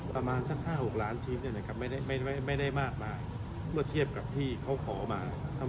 ประมาณสัก๕๖ล้านชิ้นไม่ได้มากเพราะเทียบกับที่เขาขอมา